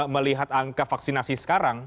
melihat angka vaksinasi sekarang